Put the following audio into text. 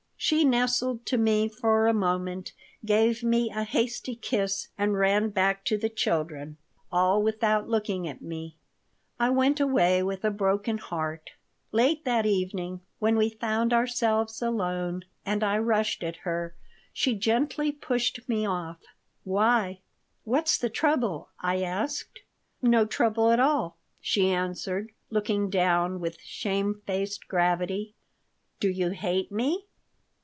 She nestled to me for a moment ,gave me a hasty kiss, and ran back to the children, all without looking at me I went away with a broken heart Late that evening, when we found ourselves alone, and I rushed at her, she gently pushed me off "Why? What's the trouble?" I asked. "No trouble at all," she answered, looking down, with shamefaced gravity "Do you hate me?"